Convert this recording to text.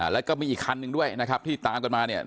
แล้วก็มีอีกคันหนึ่งด้วยนะครับที่ตามกันมาเนี่ย